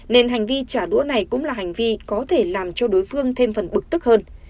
nên hành vi trả đũa này cũng là hành vi có thể làm cho đối phương thêm phần bực tức hơn